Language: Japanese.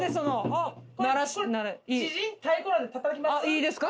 いいですか？